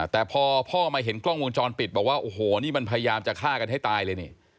แต่พอพ่อมาเห็นกล้องวงจรปิดบอกว่าโอ้โหนี่มันพยายามจะฆ่ากันให้ตายเลยนี่